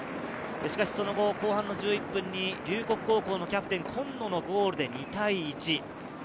しかしその後、後半１１分に龍谷高校キャプテン・今野のゴールで２対１。